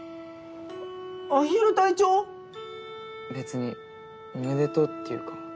アヒル隊長⁉別におめでとうっていうか。